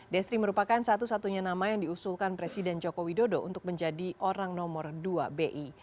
desri merupakan satu satunya nama yang diusulkan presiden joko widodo untuk menjadi orang nomor dua bi